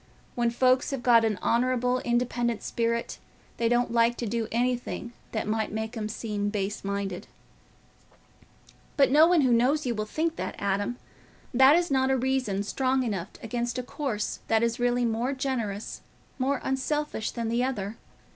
When folks have got an honourable independent spirit, they don't like to do anything that might make 'em seem base minded." "But no one who knows you will think that, Adam. That is not a reason strong enough against a course that is really more generous, more unselfish than the other.